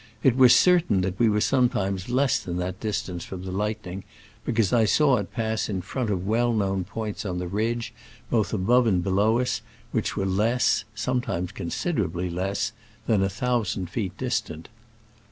It was certain that we were sometimes less than that distance from the lightning, because I saw it pass in front of well known points on the ridge, both above and below us, which were less (sometimes considerably less) than a thousand feet distant.